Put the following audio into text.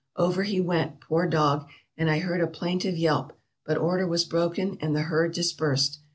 Over he went, poor dog, and I heard a plaintive yelp ; but order was broken, and the herd dispersed.